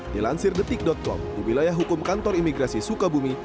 dilansir detik com di wilayah hukum kantor imigrasi sukabumi